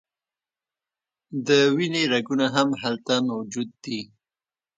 د وینې رګونه هم هلته موجود دي.